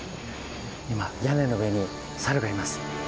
今、屋根の上に猿がいます。